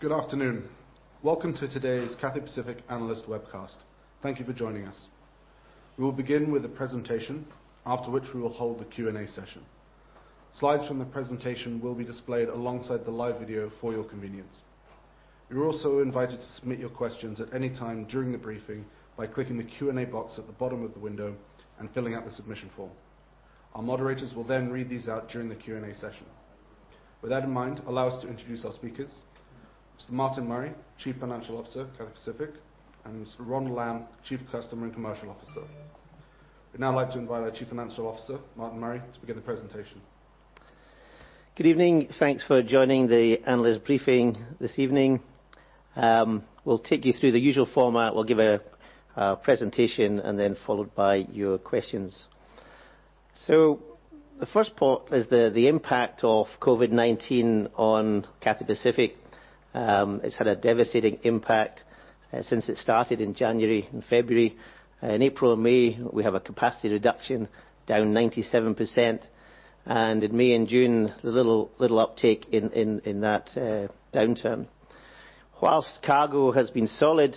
Good afternoon. Welcome to today's Cathay Pacific analyst webcast. Thank you for joining us. We will begin with a presentation, after which we will hold a Q&A session. Slides from the presentation will be displayed alongside the live video for your convenience. You are also invited to submit your questions at any time during the briefing by clicking the Q&A box at the bottom of the window and filling out the submission form. Our moderators will read these out during the Q&A session. With that in mind, allow us to introduce our speakers, Mr. Martin Murray, Chief Financial Officer at Cathay Pacific, and Mr. Ronald Lam, Chief Customer and Commercial Officer. We would now like to invite our Chief Financial Officer, Martin Murray, to begin the presentation. Good evening. Thanks for joining the analyst briefing this evening. We'll take you through the usual format. We'll give a presentation and then followed by your questions. The first part is the impact of COVID-19 on Cathay Pacific. It's had a devastating impact since it started in January and February. In April and May, we have a capacity reduction down 97%, and in May and June, little uptake in that downturn. Whilst cargo has been solid,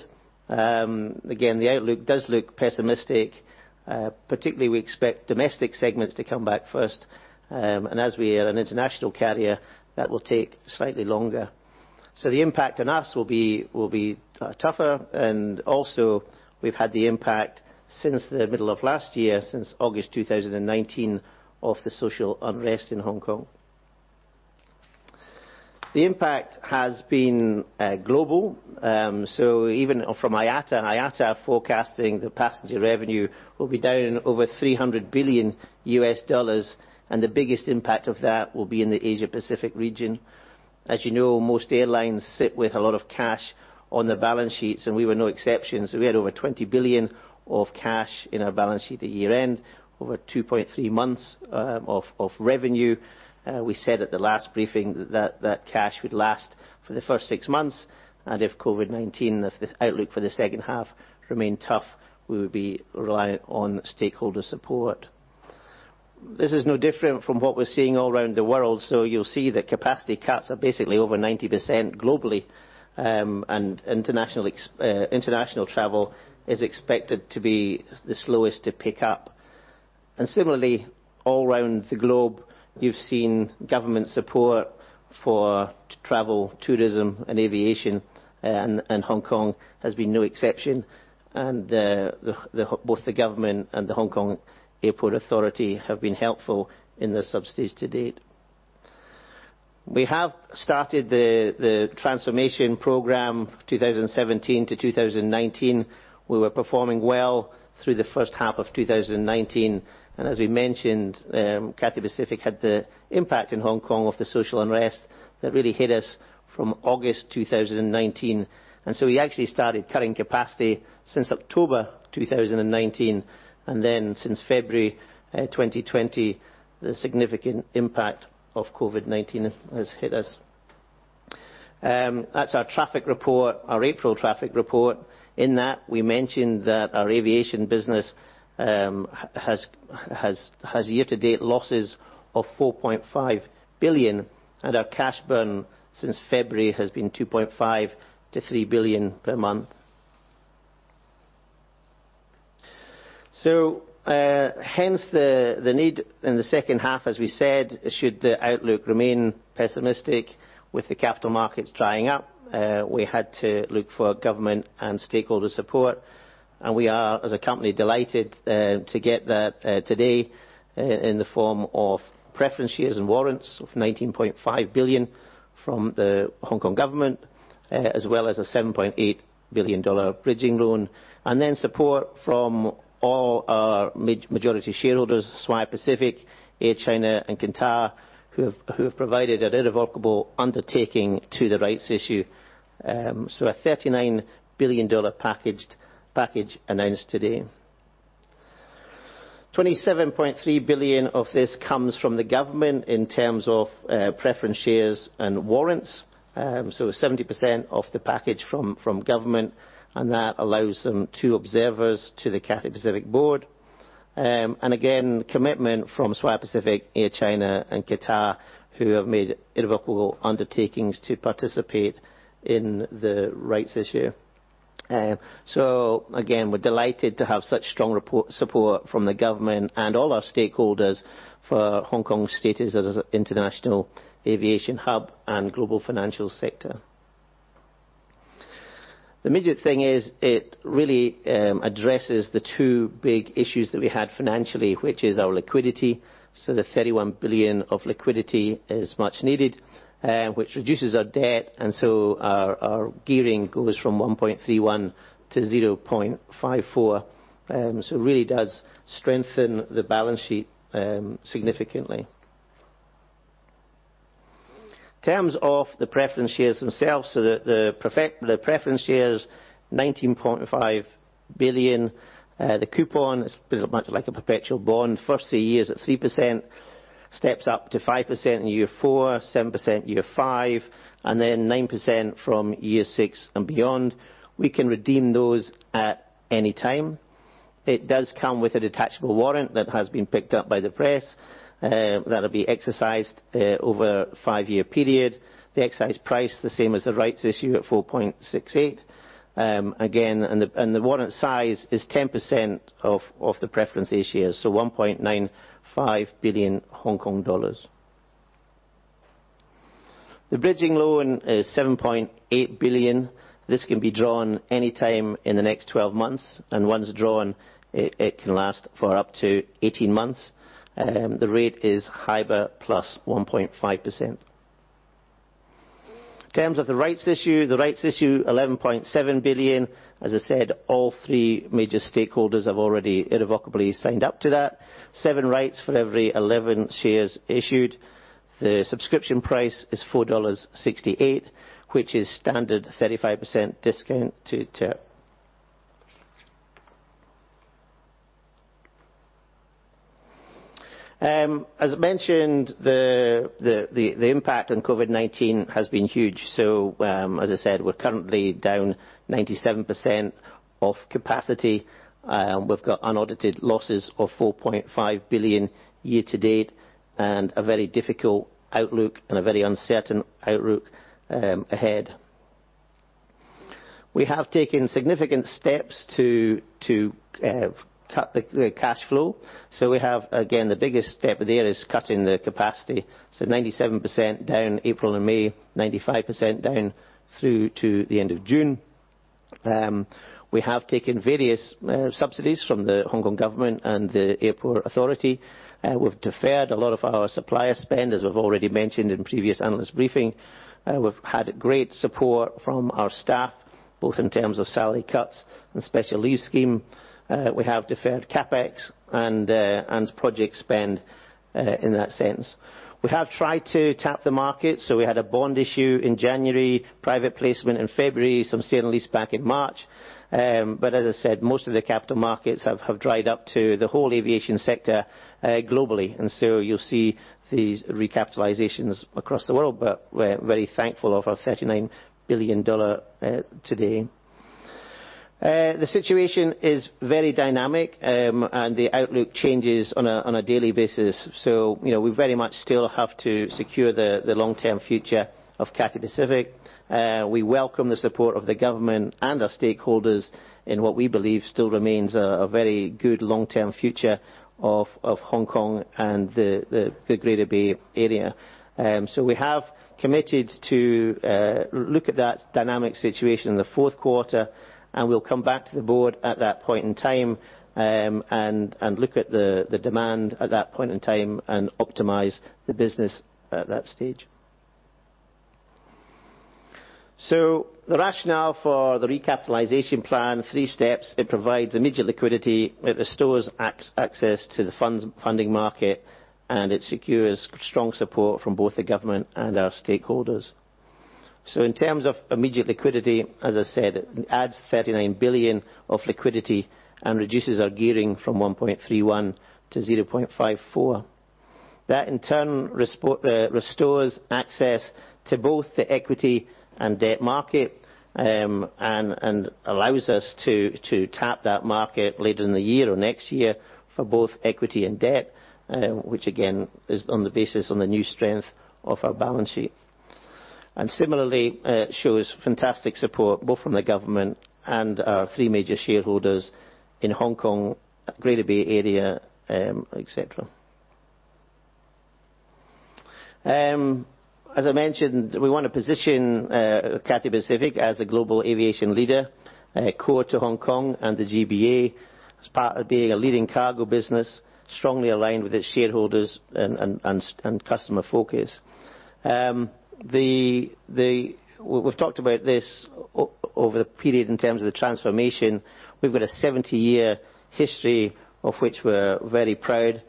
again, the outlook does look pessimistic. Particularly, we expect domestic segments to come back first, and as we are an international carrier, that will take slightly longer. The impact on us will be tougher. We've had the impact since the middle of last year, since August 2019, of the social unrest in Hong Kong. The impact has been global. Even from IATA are forecasting that passenger revenue will be down over $300 billion, and the biggest impact of that will be in the Asia-Pacific region. You know, most airlines sit with a lot of cash on the balance sheets, and we were no exception. We had over 20 billion of cash in our balance sheet at year-end, over 2.3 months of revenue. We said at the last briefing that that cash would last for the first six months, and if COVID-19, if the outlook for the second half remained tough, we would be reliant on stakeholder support. This is no different from what we're seeing all around the world. You'll see that capacity cuts are basically over 90% globally, and international travel is expected to be the slowest to pick up. Similarly, all around the globe, you've seen government support for travel, tourism, and aviation, and Hong Kong has been no exception. Both the government and the Airport Authority Hong Kong have been helpful in the subsidies to date. We have started the transformation program 2017-2019. We were performing well through the first half of 2019. As we mentioned, Cathay Pacific had the impact in Hong Kong of the social unrest that really hit us from August 2019. We actually started cutting capacity since October 2019, and then since February 2020, the significant impact of COVID-19 has hit us. That's our traffic report, our April traffic report. In that, we mentioned that our aviation business has year-to-date losses of 4.5 billion, and our cash burn since February has been 2.5 billion to 3 billion per month. Hence the need in the second half, as we said, should the outlook remain pessimistic with the capital markets drying up, we had to look for government and stakeholder support. We are, as a company, delighted to get that today in the form of preference shares and warrants of 19.5 billion from the Hong Kong government, as well as a 7.8 billion dollar bridging loan, support from all our majority shareholders, Swire Pacific, Air China, and Qatar, who have provided an irrevocable undertaking to the rights issue. A 39 billion dollar package announced today. 27.3 billion of this comes from the government in terms of preference shares and warrants. 70% of the package from government allows them two observers to the Cathay Pacific board. Again, commitment from Swire Pacific, Air China, and Qatar, who have made irrevocable undertakings to participate in the rights issue. Again, we're delighted to have such strong support from the government and all our stakeholders for Hong Kong's status as an international aviation hub and global financial sector. The immediate thing is it really addresses the two big issues that we had financially, which is our liquidity. The 31 billion of liquidity is much needed, which reduces our debt, and so our gearing goes from 1.31-0.54. It really does strengthen the balance sheet significantly. Terms of the preference shares themselves, so the preference shares, 19.5 billion. The coupon is much like a perpetual bond. First three years at 3%, steps up to 5% in year four, 7% year five, and then 9% from year six and beyond. We can redeem those at any time. It does come with a detachable warrant that has been picked up by the press, that'll be exercised over a five-year period. The exercise price, the same as the rights issue at 4.68. Again, the warrant size is 10% of the preference issues, so 1.95 billion Hong Kong dollars. The bridging loan is 7.8 billion. This can be drawn any time in the next 12 months, and once drawn, it can last for up to 18 months. The rate is HIBOR plus 1.5%. In terms of the rights issue, the rights issue, 11.7 billion. As I said, all three major stakeholders have already irrevocably signed up to that. Seven rights for every 11 shares issued. The subscription price is 4.68 dollars, which is standard 35% discount to TERP. As I mentioned, the impact on COVID-19 has been huge. As I said, we're currently down 97% of capacity. We've got unaudited losses of 4.5 billion year to date and a very difficult outlook and a very uncertain outlook ahead. We have taken significant steps to cut the cash flow. We have, again, the biggest step there is cutting the capacity, 97% down April and May, 95% down through to the end of June. We have taken various subsidies from the Hong Kong government and the Airport Authority. We've deferred a lot of our supplier spend, as we've already mentioned in previous analyst briefing. We've had great support from our staff, both in terms of salary cuts and special leave scheme. We have deferred CapEx and project spend in that sense. We have tried to tap the market, we had a bond issue in January, private placement in February, some sale and lease back in March. As I said, most of the capital markets have dried up to the whole aviation sector globally, and so you'll see these recapitalizations across the world. We're very thankful of our 39 billion dollar today. The situation is very dynamic, and the outlook changes on a daily basis. We very much still have to secure the long-term future of Cathay Pacific. We welcome the support of the government and our stakeholders in what we believe still remains a very good long-term future of Hong Kong and the Greater Bay Area. We have committed to look at that dynamic situation in the fourth quarter, and we'll come back to the board at that point in time, and look at the demand at that point in time and optimize the business at that stage. The rationale for the recapitalization plan, three steps. It provides immediate liquidity, it restores access to the funding market, and it secures strong support from both the government and our stakeholders. In terms of immediate liquidity, as I said, it adds 39 billion of liquidity and reduces our gearing from 1.31-0.54. That in turn restores access to both the equity and debt market, and allows us to tap that market later in the year or next year for both equity and debt, which again, is on the basis on the new strength of our balance sheet. Similarly, shows fantastic support both from the government and our three major shareholders in Hong Kong, Greater Bay Area, et cetera. As I mentioned, we want to position Cathay Pacific as the global aviation leader, core to Hong Kong and the GBA as part of being a leading cargo business, strongly aligned with its shareholders and customer focus. We've talked about this over the period in terms of the transformation. We've got a 70-year history of which we're very proud.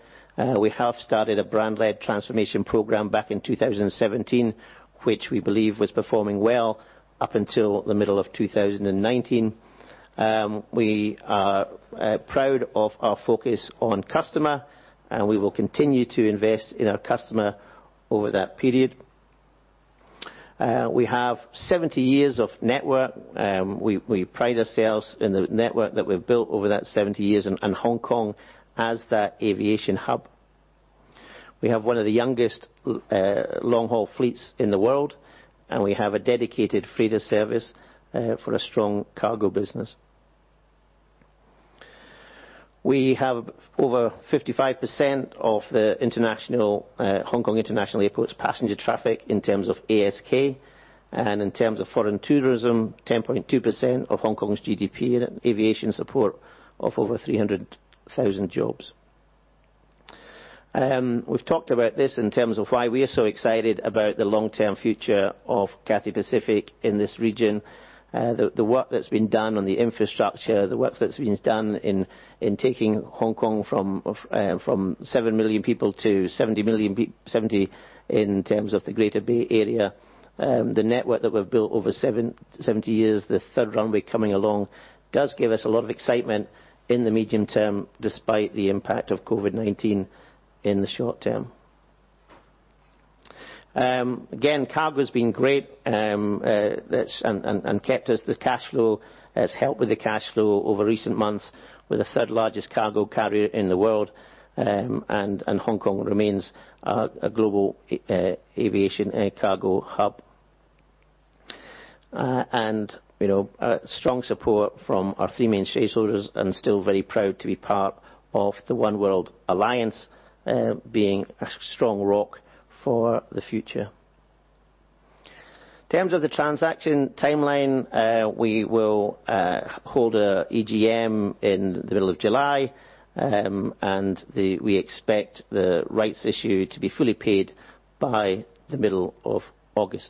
We have started a brand-led transformation program back in 2017, which we believe was performing well up until the middle of 2019. We are proud of our focus on customer. We will continue to invest in our customer over that period. We have 70 years of network. We pride ourselves in the network that we've built over that 70 years and Hong Kong as that aviation hub. We have one of the youngest long-haul fleets in the world. We have a dedicated freighter service for a strong cargo business. We have over 55% of the Hong Kong International Airport's passenger traffic in terms of ASK. In terms of foreign tourism, 10.2% of Hong Kong's GDP and aviation support of over 300,000 jobs. We've talked about this in terms of why we are so excited about the long-term future of Cathay Pacific in this region. The work that's been done on the infrastructure, the work that's been done in taking Hong Kong from 7 million people to 70 million people, 70 in terms of the Greater Bay Area. The network that we've built over 70 years, the third runway coming along, does give us a lot of excitement in the medium term, despite the impact of COVID-19 in the short term. Again, cargo's been great, and kept us the cashflow, has helped with the cashflow over recent months. We're the third largest cargo carrier in the world. Hong Kong remains a global aviation cargo hub. Strong support from our three main shareholders, and still very proud to be part of the oneworld alliance, being a strong rock for the future. In terms of the transaction timeline, we will hold a EGM in the middle of July, and we expect the rights issue to be fully paid by the middle of August.